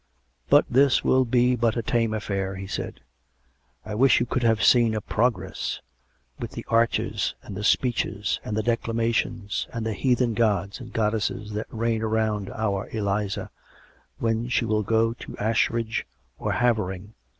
" But this will be but a tame affair," he said. " I wisli you could have seen a Progress, with the arches and the speeches and the declamations, and the heathen gods and goddesses that reign round our Eliza, when she will go to Ashridge or Havering.